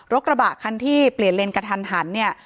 กระบะคันที่เปลี่ยนเลนกระทันหันเนี่ย